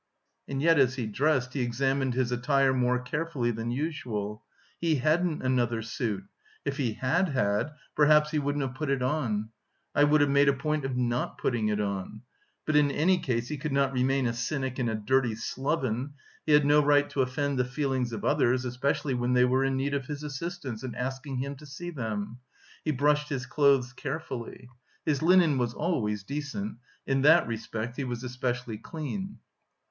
And yet as he dressed he examined his attire more carefully than usual. He hadn't another suit if he had had, perhaps he wouldn't have put it on. "I would have made a point of not putting it on." But in any case he could not remain a cynic and a dirty sloven; he had no right to offend the feelings of others, especially when they were in need of his assistance and asking him to see them. He brushed his clothes carefully. His linen was always decent; in that respect he was especially clean.